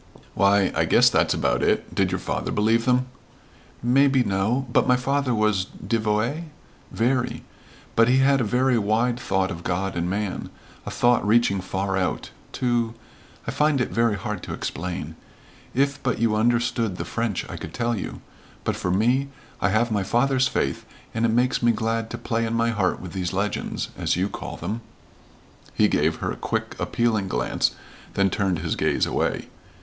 "Why I guess that's about it. Did your father believe them?" "Maybe no. But my father was 'devoué' very but he had a very wide thought of God and man a thought reaching far out to I find it very hard to explain. If but you understood the French, I could tell you but for me, I have my father's faith and it makes me glad to play in my heart with these legends as you call them." He gave her a quick, appealing glance, then turned his gaze away.